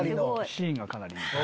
シーンがかなりいい。